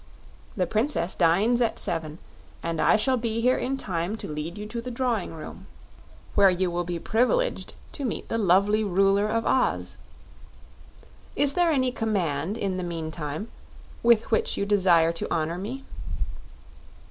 The Princess dines at seven, and I shall be here in time to lead you to the drawing room, where you will be privileged to meet the lovely Ruler of Oz. Is there any command, in the meantime, with which you desire to honor me?"